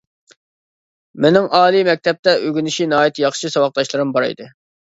مېنىڭ ئالىي مەكتەپتە ئۆگىنىشى ناھايىتى ياخشى ساۋاقداشلىرىم بار ئىدى.